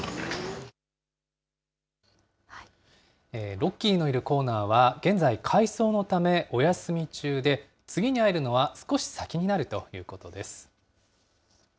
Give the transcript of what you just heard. ロッキーのいるコーナーは、現在、改装のためお休み中で、次に会えるのは少し先になるということです。